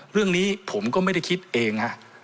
เรื่องนี้ผมก็ไม่ได้คิดเองฮะ